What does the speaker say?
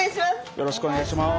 よろしくお願いします。